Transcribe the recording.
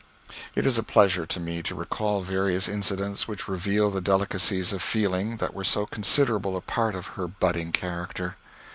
It is a pleasure to me to recall various incidents which reveal the delicacies of feeling that were so considerable a part of her budding character.